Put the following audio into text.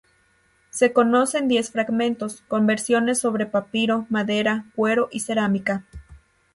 Se conocen diez fragmentos, con versiones sobre papiro, madera, cuero y cerámica.